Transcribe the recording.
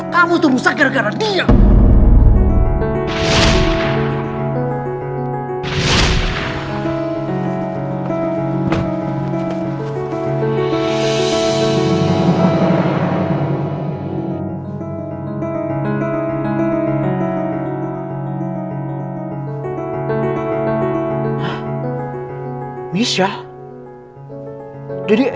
kamu terus menerus bergaul dengan dia